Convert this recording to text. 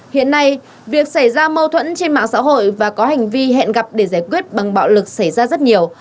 hiện nay việc xảy ra mâu thuẫn trên mạng xã hội và có hành vi hẹn gặp để giải quyết bằng bạo lực xảy ra rất nhiều